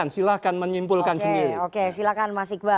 silahkan menyimpulkan sendiri